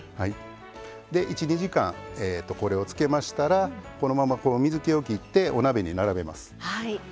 １２時間、つけましたらこのまま水けを切ってお鍋に並べます。